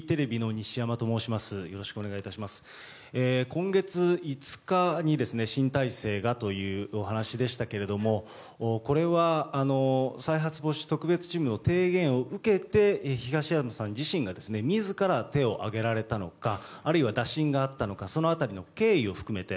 今月５日に新体制がというお話でしたけれどもこれは再発防止特別チームの提言を受けて東山さん自身が自ら手を上げられたのかあるいは打診があったのかその辺りの経緯を含めて。